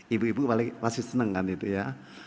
ibu ibu pasti senang kan itu ya